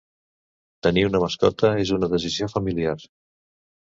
Tenir una mascota és una decisió familiar.